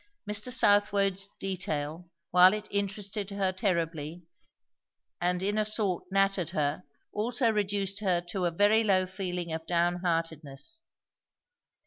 Mr. Southwode's detail, while it interested her terribly, and in a sort nattered her, also reduced her to a very low feeling of downheartedness.